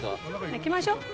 行きましょう。